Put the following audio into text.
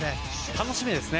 楽しみですね。